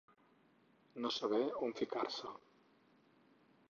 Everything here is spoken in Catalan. No saber on ficar-se.